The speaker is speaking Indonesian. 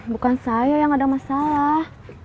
bukan saya yang ada masalah